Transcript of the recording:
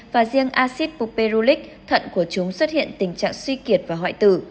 và riêng acid puperulic thận của chúng xuất hiện tình trạng suy kiệt và hoại tử